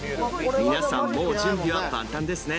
皆さんもう準備は万端ですね。